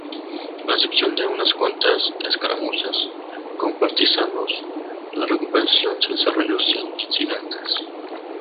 Con excepción de unas cuantas escaramuzas con partisanos, la recuperación se desarrolló sin incidentes.